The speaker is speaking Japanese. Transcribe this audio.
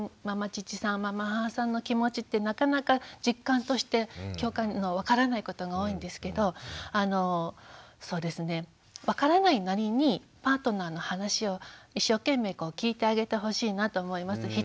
まま父さんまま母さんの気持ちってなかなか実感として分からないことが多いんですけどそうですね分からないなりにパートナーの話を一生懸命聞いてあげてほしいなと思います。